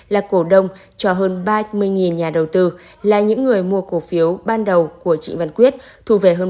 là cổ đông cho hơn ba mươi nhà đầu tư là những người mua cổ phiếu ban đầu của trịnh văn quyết thu về hơn bốn tám trăm một mươi tám tỷ đồng